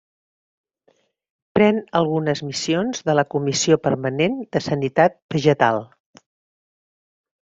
Pren algunes missions de la Comissió Permanent de Sanitat Vegetal.